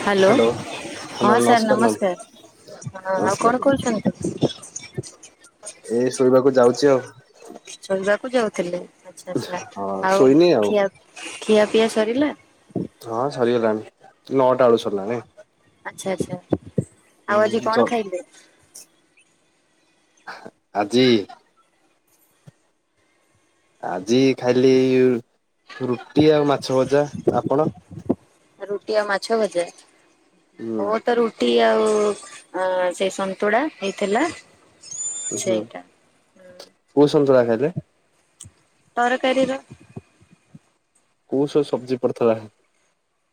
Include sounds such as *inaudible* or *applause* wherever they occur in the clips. Hello ହଁ sir ନମସ୍କାର, ହଁ ଆଉ ନମସ୍କାର କଣ ମ୍ୟାମ୍ କରୁଛନ୍ତି? *inaudible* ଏଇ ଶୋଇବାକୁ ଯାଉଛି ଆଉ ଶୋଇବାକୁ ଯାଉଥିଲେ ଆଛା ଆଚ୍ଛା ହଁ ଆଉ ଶୋଇନି ଖିଆ ଖିଆ ପିଆ ସରିଲା ହଁ ସରି ଗଲାଣି ନଅଟାଆଳୁ ସାରିଲାଣି ଆଚ୍ଛା ଆଚ୍ଛା ଆଉ ଆଜି ଜ କଣ ଖାଇଲେ ଆଜି ଆଜି ଖାଇଲି ରୁଟି ଆଉ ମାଛ ଭଜା ଆପଣ ରୁଟି ଆଉ ମାଛ ଭଜା ହୁଁ ଓ ତ ରୁଟି ଆଉ ସେ ସନ୍ତୁଳା ହେଇଥିଲା ହୁଁ ସେଇଟା କୋଉ ସନ୍ତୁଳା ଖାଇଲେ ତର କରୀର କୋଉ ସବୁ ସବଜି ପଡିଥିଲା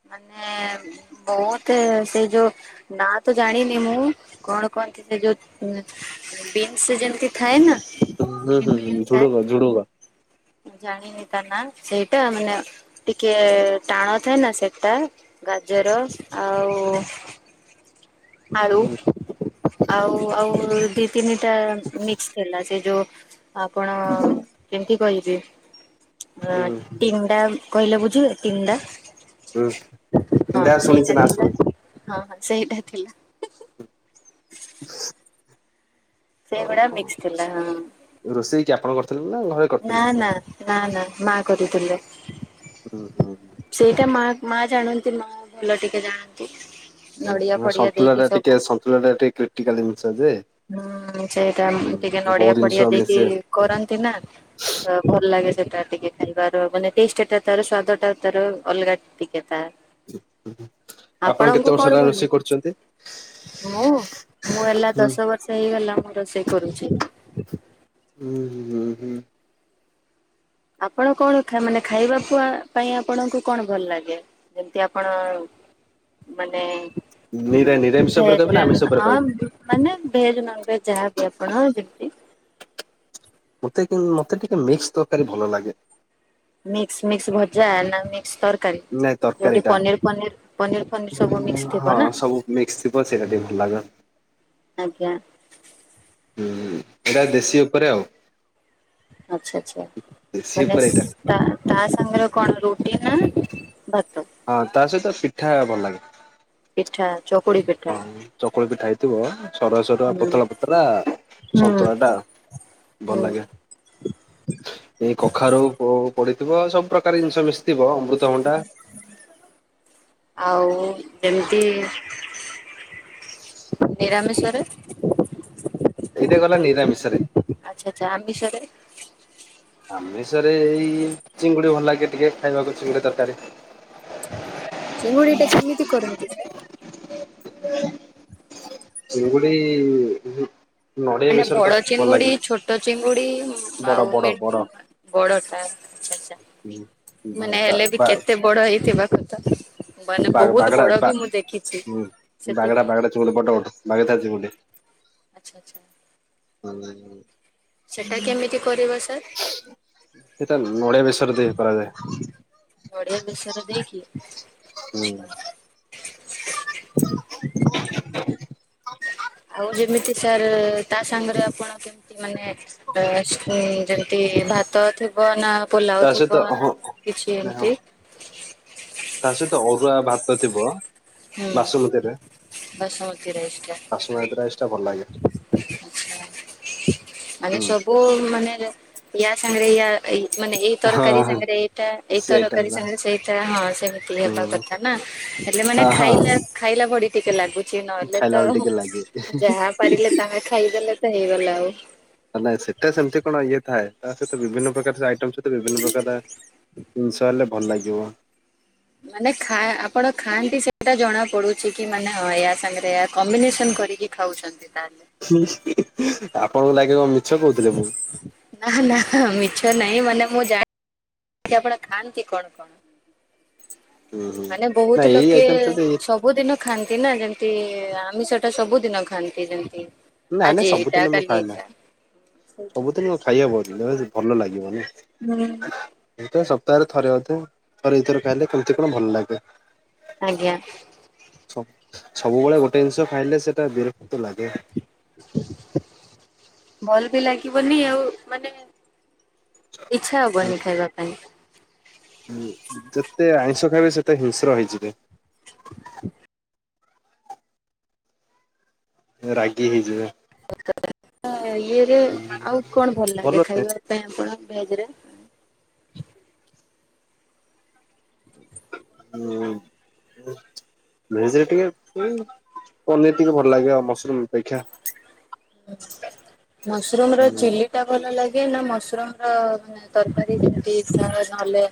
ମାନେ ବହୁତ ସେ ଯୋଉ ନା ତ ଜାଣିନି ମୁଁ କଣ କହନ୍ତି ସେ ଯୋଉ ବିନ୍ସ ଯେମିତି ଥାଏ ନା ହଁ ହୁଁ ଗ୍ରୀନ୍ ହୁଁ ଗ୍ରୀନ୍ ହୁଁ ଥାଏ ଝୁଡୁଗ ଝୁଡୁଗ ଜାଣିନି ତା ନା ସେଇଟା ମାନେ ଟିକେ ଟାଣ ଥାଏ ନା ସେଟା ଗାଜର ଆଉ ଆଳୁ ହୁଁ ଆଉ ଆଉ ତିନିଟା ମିକ୍ସ ଥିଲା ସେ ଯୋଉ ଆପଣ କେମିତି କଇଜି ହୁଁ ଆଟି ଗୁଣ୍ଡା କହିଲେ ବୁଝିବେ ତିନିଟା ହୁଁ ହଁ ତିନିଟା ଶୁଣିଛି ସେଇଟା ନା ଥିଲା ଶୁଣିଛି। ହଁ ହଁ ସେଇଟା ଥିଲା ସେଇଗୁଡ଼ା ଓହୋ ମିକ୍ସ ଥିଲା ହ ରୋଷେଇ କି ଆପଣ କରିଥିଲେ ନା ଘରେ କରିଥିଲେ? ନା ନା ନା ନା ମା କରି ଥିଲେ ହ ହୁଁ ହୁଁ ହ ମା ଜାଣନ୍ତି ମା ଭୁଲ ଟିକେ ଜାଣନ୍ତି ନଡିଆ ଫଡିଆ ସନ୍ତୁଳା ଦେଇକି ଟା ସବୁ ଟିକେ ସନ୍ତୁଳା ଟା ଟିକେ କ୍ରିଟିକାଲ ଜିନିଷ ଯେ ହୁଁ ସେଇଟା ହୁଁ ଟିକେ ବହୁତ ନଡିଆ ଜିନିଷ ଫଡିଆ ଦେଇକି ମିଶେ କରନ୍ତି ନା ତ ଭଲ ଲାଗେ ସେ ସେଟା ଟିକେ ଖାଇବାର ମାନେ ଟେଷ୍ଟ ଟା ତାର ସ୍ଵାଦ ଟା ତାର ଅଲଗା ଟିକେ। ତା ଆପଣ ଆପଣଙ୍କୁ କେତେ ବର୍ଷ କଣ ହେଲା ଭଲ ରୋଷେଇ କରୁଚନ୍ତି? ମୁଁ ମୁଁ ହେଲା ଦଶ ବର୍ଷ ହେଇଗଲା ମୁଁ ରୋଷେଇ କରୁଛି। ହୁଁ ହୁଁ ହୁଁ ହୁଁ। ଆପଣ କଣ ଖା ମାନେ ଖାଇବା ପୁଆ ପାଇଁ ଆପଣଙ୍କୁ କଣ ଭଲ ଲାଗେ ଯେମତି ଆପଣ ମାନେ ନିରା ଉଁ ନିରାମିଷ ଉପରେ କହିବେ ଭେଜ ନା ଆମିଷ ରେ ଉପରେ ହଁ କହିବେ? ମାନେ ଭେଜ ନନଭେଜ ଯାହାବି ଆପଣ ଯେମତି? ମତେ କି ମତେ ଟିକେ ମିକ୍ସ ତରକାରୀ ଭଲ ଲାଗେ। ମିକ୍ସ ମିକ୍ସ ଭଜା ନା ମି କ୍ସ ତରକାରୀ ଯୋଉଟି ପନିର ପନିର ପନିର ଫନିର ଉଁ ସବୁ ମିକ୍ସ ଥିବ ହଁ ନା ସବୁ ମିକ୍ସ ଥିବ ସେଇଟା ଟିକେ ଭଲ ଲାଗେ। ଆଜ୍ଞା ଉଁ ଏଇଟା ଦେଶୀ ଉପରେ ଆଉ। ଆଚ୍ଛା ଆଚ୍ଛା ଦେଶୀ ମାନେ ଉପରେ ସ ଏଇଟା ତା ତା ସାଙ୍ଗରେ ଆଉ କଣ ରୁ ଟି ନା ଭାତ? ହଁ ତା ସହିତ ପିଠା। ଭଲ ଲାଗେ। ପିଠା ଚକୁଳି ପିଠା ହଁ ଚକୁଳି ପିଠା ହେ ଇଥିବ ସରୁୁଆ ସରୁଆ ହୁଁ ପତଳା ପତରା ହୁଁ ସନ୍ତୁଳା ଟା ଭଲ ହୁଁ। ଲାଗେ। ଏଇ କଖାରୁ ପ ପଡିଥିବ ସବୁ ପ୍ରକାର ଜିନିଷ ମିଶିଥିବ ଅ ଆଉ ଯେମିତି ନିରାମିଷ ରେ? ଏଇଟା ଗଲା ନିରାମିଷରେ। ଆଚ୍ଛା ଆଚ୍ଛା ଆମିଷରେ? ଆମିଷରେ ଏଇ ଚିଙ୍ଗୁଡି ଭଲ ଲାଗେ ଟିକେ ଖାଇବାକୁ ଚିଙ୍ଗୁଡି ତରକାରୀ। ଚିଙ୍ଗୁଡି ଟା କେମିତି କରନ୍ତି ବା? ଚିଙ୍ଗୁଡି ଉ ଉଁ ମାନେ ବଡ ଚିଙ୍ଗୁଡି ଛୋଟ ଚିଙ୍ଗୁଡି ଉଁ ବଡ ଆଉ ବଡ ମି ବଡ। ବଡଟା ଆଚ୍ଛା ଆଚ୍ଛା ବା ମାନେ ହେଲେ ବି ବା କେତେ ବଡ ହେଇଥିବା କଥା ମାନେ ବା ବହୁତ ବାଗଡା ବଡ ବା ବି ମୁଁ ଦେଖିଛି ହୁଁ ବାଗଡା ସେଥିପାଇଁ? ବାଗଡା ଚିଙ୍ଗୁଡି ବଡ *unintelligible* ଚିଙ୍ଗୁଡି ଆଚ୍ଛା ଆଚ୍ଛା। ହୁଁ ହୁଁ। ସେଇଟା କେମିତି କରିବ ସାର? ସେଟା ନଡିଆ ବେସର ଦେଇ କରାଯାଏ ନଡିଆ ବେସର ଦେଇକି? ହୁଁ ଆଉ ଯେମିତି ସାର ତା ସାଙ୍ଗରେ ଆପଣ କେମିତି ମାନେ ଅ ଉଁ ଯେମତି ଭାତ ଥିବ ନାଁ ତା ସହିତ ପୋଲାଉଥିବ ହଁ ନା କିଛି ହଁ ଏମିତି ତା ସହିତ ଅରୁଆ ଭାତ ଥିବ ହୁଁ ବାସୁମତୀରେ ବସୁମତୀ ରାଇସି ଟା ବାସୁମତୀ ରାଇସ୍ ଟା ଭଲ ଲାଗେ। *inaudible* ମାନେ ହୁଁ ସବୁ ମାନେ *inaudible* ୟା ସାଙ୍ଗରେ ୟା ଏଇ ମାନେ ଏଇ ତରକାରୀ ହଁ ସାଙ୍ଗରେ ଏଇଟା ଏଇ ସେଇଟା ତରକାରୀ ନା ସାଙ୍ଗରେ ସେଇଟା ହଁ ସେମିତି ହେବା ହୁଁ କଥା ନା ହେଲେ ମାନେ ହଁ ହଁ ଖାଇଲା ଖାଇଲା ପରି ଟିକେ ଲାଗୁଛି କିଛି ନହେଲେ ଖାଇଲା ବେଳେ ଟିକେ ଲାଗେ। ତ ଯାହା ପାରିଲେ ତାହା ଖାଇଦେଲେ ତ ହେଇଗଲା ଆଉ *inaudible* ନାଇଁ ସେଇଟା ସେମିତି କଣ ଇଏ ଥାଏ ତା ସହିତ ବିଭିନ୍ନ ପ୍ରକାର ଆଇଟ ତା ସହିତ ବିଭିନ୍ନ ପ୍ରକାର ଜିନିଷ ହେଲେ ଭଲ ଲାଗିବ। ମାନେ ଖା ଆପଣ ଖାଆନ୍ତି ସେଟା ଜଣା ପଡୁଛି କି ମାନେ ହଁ ୟା ସାଙ୍ଗରେ କମ୍ବିନେସନ କରିକି ଖାଉଛନ୍ତି ତାହେଲେ। ହୁଁ ହୁଁ ଆପଣଙ୍କୁ ଲାଗିବ ମି ନାଁ ନାଁ ହୁଁ ମିଛ ନାହିଁ ମାନେ ମୁଁ ଜାଣି କି ଆପଣ ଖାଆନ୍ତି କଣ କଣ? ହୁଁ ହୁଁ। ମାନେ ବହୁତ ନାଇଁ ଏଇ ଲୋକେ ଆଇଟମ ସହିତ ଏ ସବୁଦିନ ଖାଆନ୍ତି। ବିନା ଯେମିତି ଆମିଷଟା ସବୁଦିନ ଖାଆନ୍ତି ଯେମତି ନାଁ ନାଁ ସବୁଦିନ ମୁଁ ଖାଏ ନାଁ ସେଇଟା। ସବୁଦିନ କଣ ଖାଇହେବ କି ଭଲ ଲାଗିବନି। ହୁଁ। ସପ୍ତାହ ରେ ଥରେ ଅଧେ ଥରେ ଦିଥର ଖାଇଲେ କେମିତି କଣ ଭଲ ଲାଗେ। ଆଜ୍ଞା। ସବ ସବୁବେଳେ ଗୋଟେ ଜିନିଷ ଖାଇଲେ ସେଟା ବିରକ୍ତ ଲାଗେ। ଭଲ ବି ଲାଗିବନି ଆଉ ମାନେ ଇଚ୍ଛା ହବନି ଖାଇବା ପାଇଁ। ହୁଁ ଯେତେ ଆଇଁଷ ଖାଇବେ ସେତେ ହିଂସ୍ର ହେଇଯିବେ। *unintelligible* ରାଗି ହେଇଯିବେ *inaudible* ଇଏରେ ଆଉ କଣ ଭଲ ଲାଗେ ଖାଇବା ପାଇଁ ଆପଣ ଭେଜରେ *inaudible* ହୁଁ ଭେଜ୍ ଟିକେ ପୁଣି ପନିର ଟିକେ ଭଲ ଲାଗେ ଆଉ ମସରୁମ ଅପେକ୍ଷା ମସରୁମୁର ହୁଁ ଚିଲି ଟା ଭଲ ଲାଗେ ଗେ ନା ମସୁରୁମ୍ ତରକାରୀ ଯେମତି ଫ୍ରା ନହେଲେ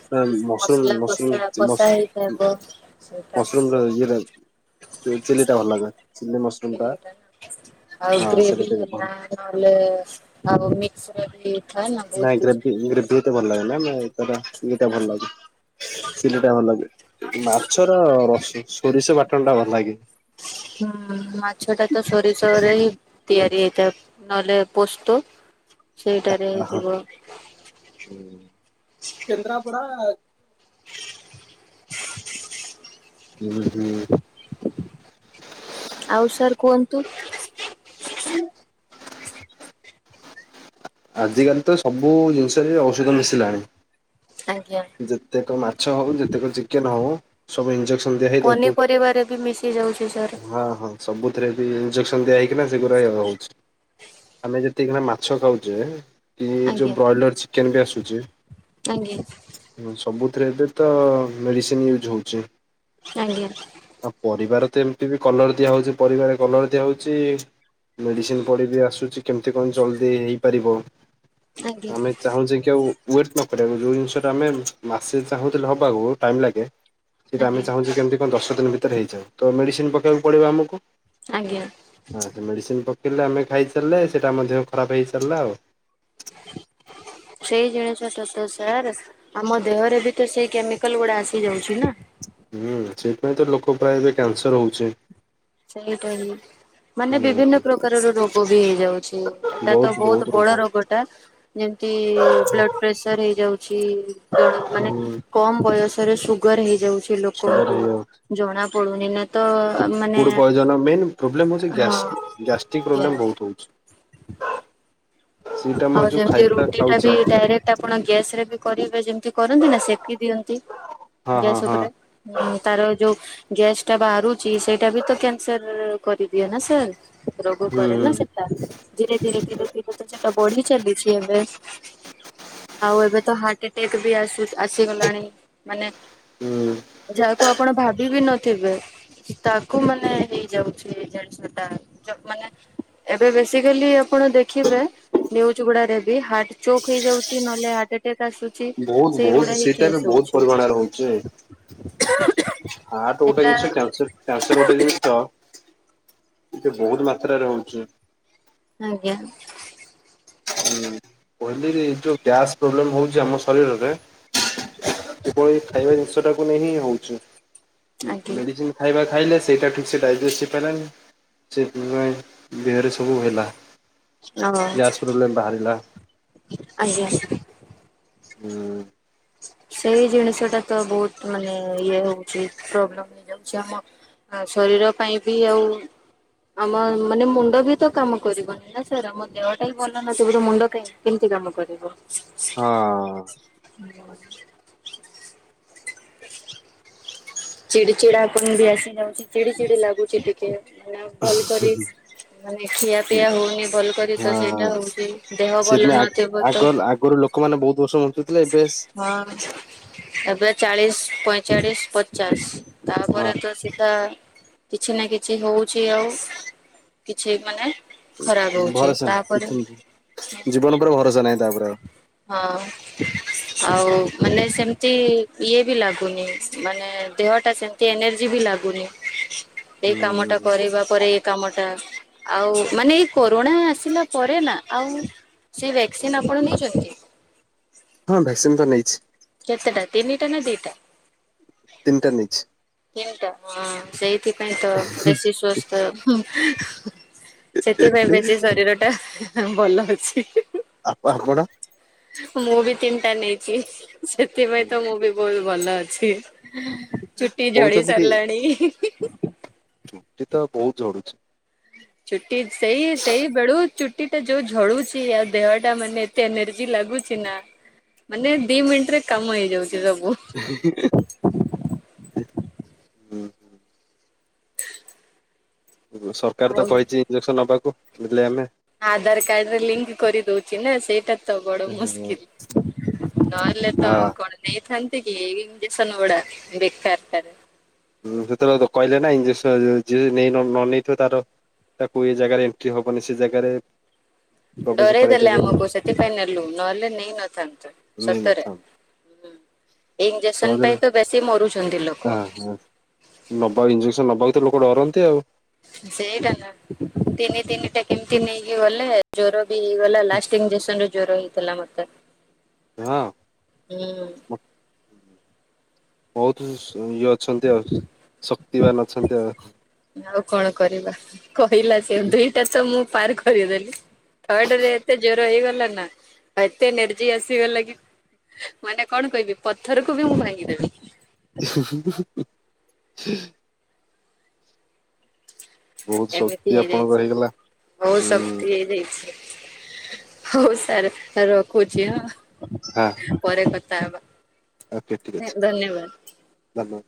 ମସଲା ମସରୁମ କଷା ମସରୁମ କଷା ମସ ହେଇଥିବ ସେଇଟା। ଚିଲିଟା ଭଲ ଲାଗେ। ଚିଲି ମସରୁମ ଟା ଚିଲିଟା ବେଷ୍ଟ ଆଉ ହଁ ସେଇଟା ଟିକେ ଭଲ ଗ୍ରେଭିବଲା ନ ଆଉ ମି ସରି ନାଇଁ ଗ୍ରେଭି ଗ୍ରେଭି ଏତେ ଭଲ ଲାଗେ ନା ଏଇ କର। ଚିଲି ଟା ଭଲ ଲାଗେ। ଚିଲି ଟା ଭଲ ଲାଗେ। ମାଛର ରସ ସୋରିଷ ବା ଟଣ ଟା ଭଲ ଲାଗେ। ହୁଁ ମାଛ ଟା ତ ସୋରିଷରରେ ହିଁ ତିଆରି ହେଇଥାଏ, ନହେଲେ ପୋସ୍ତ ସେଇଟାରେ ହଁ। ହେଇଥିବ। କେନ୍ଦ୍ରାପଡ଼ା ଆ ହ *inaudible* ହୁଁ ହୁଁ। ଆଉ ସାର୍ କୁହନ୍ତୁ। ଆଜିକାଲି ତ ସବୁ ଜିନିଷରେ ଔଷଧ ମିଶିଲାଣି। ଆଜ୍ଞା। ଯେତେକ ମାଛ ହଉ ଯେତେକ ଚିକେନ ହଉ ସବୁ ଇନଞ୍ଜେକ୍ସନ ପନିପରିବାରେ ବି ମିଶି ଯାଉଛି ସାର। ସେଥିରେ ବି ଇନଜେକ୍ସନ ଦିଆ ହେଇକିନା ସେଗୁରା ହଉଛି ଆମେ ଯେତିିକିନା ମାଛ ଖାଉଛେ କି ଏ ଯୋଉ ଆଜ୍ଞା ବ୍ରଏଲର ଚିକେନ ବି ଆସୁଛି ଆଜ୍ଞା ସବୁଥିରେ ଏବେ ତ ମେଡିସିନ ୟୁଜ ହଉଛି। ଆଜ୍ଞା ଅ ପରିବାରେ ତ ଏମିତି ବି କଲର ଦିଆହେଉଛି, ପରିବାରେ କଲର ଦିଆହଉଛି, ମେଡିସିନ ପଡି ବିି ଆସୁଛି। କେମତି କଣ ଜଲଦି ହେଇପାରିବ? ଆଜ୍ଞା ଆମେ ଚାହୁଁଛେ କି ଆଉ ୱେଟ ନକରିବାକୁ ଯଉ ଜିନିଷ ଆମେ ମାସେ ଚାହୁଁଥିଲେ ହବାକୁ ଟାଇମ୍ ଲାଗେ ସେଇଟା ଆମେ ଆଜ୍ଞା ଚାହୁଁଛେ କେମିତି ଆ ଦଶ ଦିନ ଭିତରେ ହେଇଯାଉ ତ ମେଡିସିନ ପକାଇବାକୁ ପଡିବ ଆମକୁ ଆଜ୍ଞା ଆ ମେଡିସିନ ପ ପକେଇଲେ ଆମେ ଖାଇଚାଲିଲେ ସେଇଟା ଆମ ଦେହ ଖରାପ ହେଇଚାଲିଲା ଆଉ। ସେଇ ଜିଣିଷତ ତ ସାର୍ ଆମ ଦେହରେ ବି ତ ସେଇ କେମିକାଲ ଗୁଡା ଆସିଯାଉଛି ନା। ହୁଁ ସେଇଥିପାଇଁ ତ ଲୋକ ପ୍ରାୟ ଏବେ କ୍ୟାନସର ହଉଛି। ସେଇଟା ହିଁ ମାନେ ହୁଁ ବିଭିନ୍ନ ପ୍ରକାରର ରୋ ଗବି ହେଇଯାଉଛି ଏଟା ତ ବହୁତ ବଡ ରୋଗଟା ଯେମିତି ବ୍ଲଡ ପ୍ରେସର ହେଇଯାଉଛି ଜଣ ମାନେ କମ ବୟସ ଥରେ ସୁଗର ହେଇଯାଉ ଛି ସୁଗାର ଲୋକଙ୍କୁ ହେଇଯାଉଛି। ଜଣା ପ ପ *unintelligible* ତ ମାନେ ଫୁଡ ପଏଜନ ମେନ୍ ପ୍ରୋବ୍ଲେମ୍ ହଉଛି ହଁ ଗ୍ୟାସ ଗ୍ୟାଷ୍ଟ୍ରିକ୍ ପ୍ରୋବ୍ଲେମ ଗ୍ୟାସ୍। ବହୁତ ହଉଛି। ସେଇଟା ଆମ ଆଉ ଯୋଉ ଯେମତି ଖାଇବା ରୁଟି ଟା ବି ଖାଉଛେ ଡାଇରେକ୍ଟ ଆପଣ ଗ୍ୟାସ ରେ ବି କରିବେ ଯେମତି କରନ୍ତି ନା ସେକି ଦିଅନ୍ତି ହଁ ଗ୍ୟାସ ହଁ ହଁ ଉପରେ ତାର ଯୋଉ ଗ୍ୟାସ୍ ଟା ବାହାରୁଛି ସେଇଟା ବି ତ କ୍ୟାନସେର-ର-ର କରିଦିଏ ନା ସାର୍। ରୋଗ କରେ ହୁଁ। ନା ସେଟା ଧୀରେ ଧୀରେ ଧୀରେଧି ପ *unintelligible* ତ ବଢି ଚାଲିଛି ଏବେ ଆଉ ଏବେ ତ ହାର୍ଟ ଏଟାକ ବି ଆସୁ ଆସିଗଲାଣି ମାନେ ହୁଁ ଯାାଉ ଆପଣ ଭାବିବି ନଥିବେ ତାକୁ ମାନେ ହେଇଯାଉଛି ଜିନିଷ ଟା ମାନେ ଏବେ ବେସିକାଲି ଆପଣ ଦେଖିବେ ନିଜ୍ୟୁ ଗୁଡ଼ାରେବ ବି ହାର୍ଟ ଚୋକ୍ ହେଇଯାଉଛି ନହେଲେ ହାର୍ଟ ଆଟାକ୍ ଆସୁଛି। ବହୁତ ସେଇଗୁଡା ବହୁତ ହିଁ ସେଇଟ କେସ୍ ବି ବହୁତ ପରିମାଣ ରହୁଛି ଖାଁ ଉଁ ହାର୍ଟ ଗୋଟେ ଜିନିଷ କ୍ୟାନସର ଗୋଟେ ଜିନିଷ ଟିକେ ବହୁତ ମାତ୍ରାରେ ହଉଛି। ଆଜ୍ଞା ହୁଁ। କହିଲି ଯୋଉ ଗ୍ୟାସ ପ୍ରୋବ୍ଲେମ ହଉଛି ଆମ ଶରୀରରେ ଆଜ୍ଞା କିଭଳି ଖାଇବା ଜିନିଷ ଟାକୁ ନେଇ ହିଁ ହଉଛି ହୁଁ ମେଡିସିନ ଖାଇବା ଖାଇଲେ ସେଇଟା ଠିକ ସେ ଡାଇଜେଷ୍ଟ ହେଇପାରିଲାନି ସେଥିାଇ ଦେହରେ ସବୁ ହେଲା ହଁ ଗ୍ୟାସ ପ୍ରୋବ୍ଲେମ ବାହାରିଲା। ଆଜ୍ଞା ହୁଁ ସେଇ ଜିନିଷଟା ତ ବହୁତ ମାନେ ଇଏ ହଉଛି ପ୍ରୋବ୍ଲେମ ହେଇଯାଉଛି ଆମ ଶରୀର ପାଇଁ ବି ଆଉ ଆମ ମାନେ ମୁଣ୍ଡ ବି ତ କାମ କରିବନି ନା ସାର୍ ଆମ ଦେହଟା ହି ଭଲ ନଥିବୋ ତେ ମୁଣ୍ଡ କହି କେମିତି କାମ କରିବ ହଁ *inaudible* ଚିଡି ଚିଡା ଆପଣଙ୍କୁ ବି ଆସି ଯାଉଛି ଚିଡି ଚିଡି ଲାଗୁଛି ଟିକେ ଭଲ କରି ମାନେ ଖିଆ ପିଆ ହଉନି ଭଲ କରି ତ ସେଇଟା ହଁ ହଉଛି ଦେହ ଭଲ ସେଦିନ ଆଗ ନଥିବ ଆଗ ତ ଆଗରୁ ଲୋକମାନେ ବହୁତ ବର୍ଷ ବଞ୍ଚୁଥିଲେ ଏବେ ହଁ ଏବେ ଚାଳିଶ ପଇ ଚାଳିଶ ପ ଚାଳିଷ ହଁ ତାପରେ ତ ସିଧା କିଛି ନା କିଛି ହଉଛି ଆଉ କିଛି ମାନେ ଖରାପ ହଉଛି ଭରସା ନାହିଁ ତାପରେ କିଛି ଜୀବନ ଉପରେ ଭରସା ନାହିଁ ତାପରେ ଆଉ ହଁ ଆଉ ମାନେ ସେମତି ଇଏ ବି ଲାଗୁନି ମାନେ ଦେହଟା ସେମତି ଏନର୍ଜି ବି ଲାଗୁନି। ଏଇ କାମଟା ହୁଁ। କରିବା ପରେ ଏଇ କାମଟା। ଆଉ ମାନେ ଏଇ କୋରୋଣା ଆସିଲା ପରେ ନା ଆଉ ସେ ଭ୍ୟାକ୍ସିନ୍ ଆପଣ ନେଇଛନ୍ତି? ହଁ ଭ୍ୟାକ୍ସିନ୍ ତ ନେଇଛି। କେତେଟା ତିନିଟା ନା ଦିଟା? ତିନିଟା ନେଇଛି ତିନିଟା ହଁ ସେଇ ସେଥିପାଇଁ ତ ବେଶୀ ସ୍ୱସ୍ଥ ହୁଁ । *unintelligible* ସେଥିପାଇଁ ବେଶୀ ଶରୀରଟା ହଁ ଭଲ ଅଛି ହିହିହି ଆପା ଆପଣ। ମୁଁ ବିି ତିନିଟା ନେଇଛି। ସେଥିପାଇଁ ତ ମୁଁ ବି ବୋଲ୍ ଭଲ ଅଛି । ଚୁଟି ଝଡି କହୁଛନ୍ତି କି ସାରିଲାଣି ହିଁହିଁ। *inaudible* ଚୁଟି ତ ବହୁତ ଝଡୁଛି । ଚୁଟି ସେଇ ସେଇ ବେଳୁ ଚୁଟିଟା ଯୋଉ ଝଡୁଛି ଆଉ ଦେହଟା ମାନେ ଏତେ ଏନର୍ଜି ଲାଗୁଛି ନା, ମାନେ ଦି ମିନିଟରେ କାମ ହେଇଯାଉଛି । *unintelligible* ହୁଁ ହୁଁ। ଉଁ ସରକାର ତ ଆଉ କହିଛି ଇଞ୍ଜେକ୍ସନ ନବାକୁ । ନେଲେ ଆମେ। ଆଧାର କାର୍ଡରେ ଲିଙ୍କ୍ କରିଦଉଛି ନା ସେଇଟା। ତ ବଡ ହଁ। ମୁସ୍କିଲ, ନହେଲେ ତ ଆଉ କଣ ନେଇଥାନ୍ତ୍? *inaudible* ଏଇ ଇଞ୍ଜେକସନଗୁଡା ବେକାରଟାରେ ହୁଁ ସେତେବେଳେ ତ କହିଲେ ନା ଇଞ୍ଜେକସନ୍ ଯିଏ ନେଇ ନ ନେଇେଇଥିବ ତାର ତାକୁ ଏ ଜାଗାରେ ଏଣ୍ଟ୍ରି ହବନି ସେ ଜାଗାରେ ପ୍ରବେଶ ଡରେଇ ଦେଲେ କରାଇଦେବେନି ଆମକୁ ସେଥିପାଇଁ ନେଲୁ ନହେଲେ ନେଇ ନଥାନ୍ତୁ ସତରେ ନେଇନଥାନ୍ତୁ ହୁଁ ଇଜେକ୍ସନ୍ ସହଜରେ ପାଇଁ ତ ବେଶୀ ମରୁଛନ୍ତି ଲୋକ। । ନବା ଇଞ୍ଜେକ୍ସନ ନବାକୁ ତ ଲୋକ ଡରନ୍ତି ଆଉ। ସେଇଟା ନା ତିନି ତିନିଟା କେମିତି ନେଇକି ଗଲେ ଜ୍ୱର। ବି ହେଇଗଲା ଲାଷ୍ଟ ଇଞ୍ଜେକ୍ସନରେ ଜ୍ୱର ହେଇ ହେଲା ମତେ। ହଁ ହୁଁ ବହୁତ୍ *unintelligible* ଅଛନ୍ତି ଆଉ ଶକ୍ତିିବାନ୍ ଅଛନ୍ତି ଆଉ। ଆଉ କଣ କରିବା। କହିଲା ସେ ଦିଇଟା ତ ମୁଁ ପାର କରିଦେଲି । ଥାଡ ରେ ଏତେ ଜ୍ୱର ହେଇଗଲା ନା ଏତେ ନେର୍ଜି ଆସିଗଲା କି ମାନେ କଣ କହିବି । ପଥରକୁ ବି ମୁଁ ଭାଙ୍ଗିଦେବି । ବହୁତ ଏମିତି ଶକ୍ତି ଆପଣଙ୍କର ହେଇଯାଇଛି ହେଇଗଲା । ବହୁତ ହୁଁ ଶକ୍ତି ହେଇଯାଇଛି । ହଉ ସାର୍ ରଖୁଚି ହଁ । ପରେ କ ତା ବା ଓ କେ ଠିକ ଅଛି ହାଲୋ।